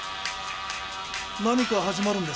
何か始まるんですか？